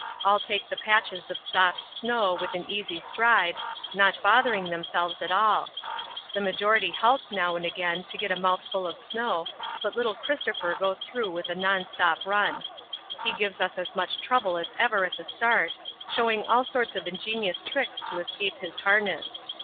All take the patches of soft snow with an easy stride, not bothering themselves at all. The majority halt now and again to get a mouthful of snow, but little Christopher goes through with a non stop run. He gives as much trouble as ever at the start, showing all sorts of ingenious tricks to escape his harness.